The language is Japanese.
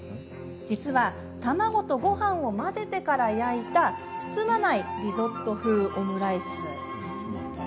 実は卵とごはんを混ぜてから焼いた包まないリゾット風オムライス。